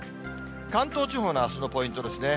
関東地方のあすのポイントですね。